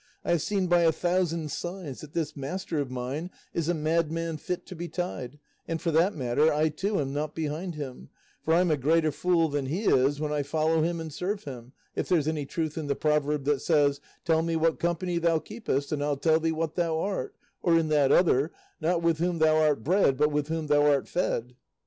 I have seen by a thousand signs that this master of mine is a madman fit to be tied, and for that matter, I too, am not behind him; for I'm a greater fool than he is when I follow him and serve him, if there's any truth in the proverb that says, 'Tell me what company thou keepest, and I'll tell thee what thou art,' or in that other, 'Not with whom thou art bred, but with whom thou art fed.